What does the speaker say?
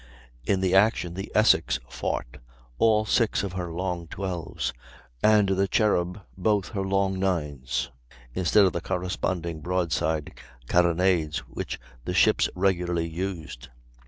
In the action the Essex fought all six of her long 12's, and the Cherub both her long 9's, instead of the corresponding broadside carronades which the ships regularly used.